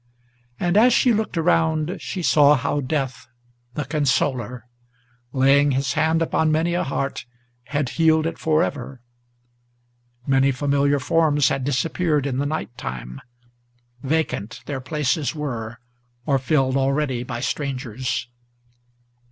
And, as she looked around, she saw how Death, the consoler, Laying his hand upon many a heart, had healed it forever. Many familiar forms had disappeared in the night time; Vacant their places were, or filled already by strangers.